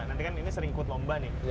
nanti kan ini seringkut lomba nih